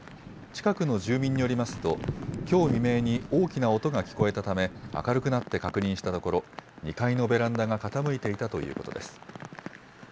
近くの住民によりますと、きょう未明に大きな音が聞こえたため、明るくなって確認したところ、２階のベランダが傾いていたということです。